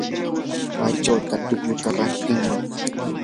¿maychawtaq tukruta rantiman?